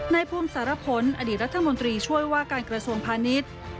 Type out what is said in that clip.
นายภูมิสารพลอดีตรัฐมนตรีช่วยว่าการกระทรวงพาณิชย์